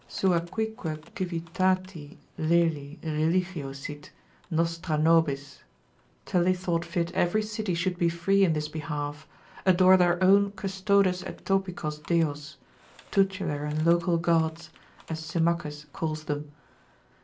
Sua cuique civitati (Laeli) religio sit, nostra nobis, Tully thought fit every city should be free in this behalf, adore their own Custodes et Topicos Deos, tutelar and local gods, as Symmachus calls them.